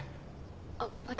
あっ私？